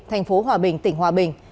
thành phố hòa bình tỉnh hòa bình